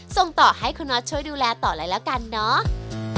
ส่งต่อให้คุณน็อตช่วยดูแลต่อเลยแล้วกันเนาะ